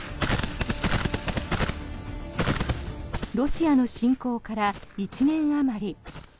ロシアの侵攻から１年あまり。